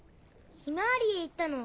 「ひまわり」へ行ったの。